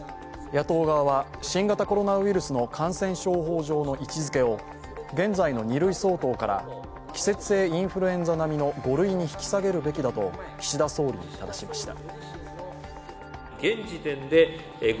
野党側は新型コロナウイルスの感染症法上の位置づけを現在の２類相当から季節性インフルエンザ並みの５類に引き下げるべきだと岸田総理にただしました。